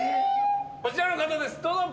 こちらの方ですどうぞ！